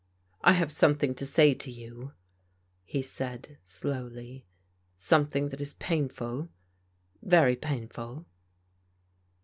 " I have something to say to you," he said slowly. " Something that is painful, very painful."